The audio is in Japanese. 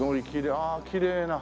ああきれいな。